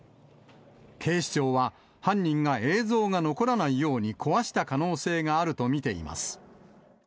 警視庁は、犯人が映像が残らないように壊した可能性があると見ています。